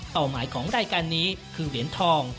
หมายของรายการนี้คือเหรียญทอง